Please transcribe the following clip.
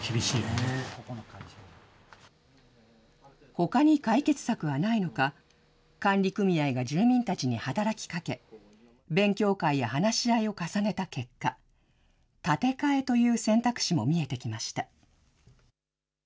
ほかに解決策はないのか、管理組合が住民たちに働きかけ、勉強会や話し合いを重ねた結果、建て替えという選択肢も見えてきました。